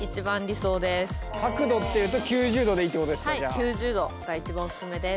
はい９０度が一番おすすめです。